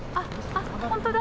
あっ本当だ。